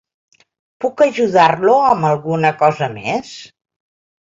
Puc ajudar-lo amb alguna cosa més?